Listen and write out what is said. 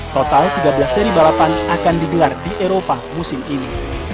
total tiga belas seri balapan akan digelar di eropa musim ini